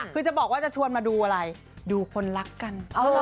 คือจะบอกว่าจะชวนมาดูอะไรดูคนรักกัน